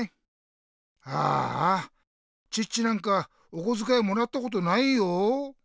ああチッチなんかおこづかいもらったことないよ。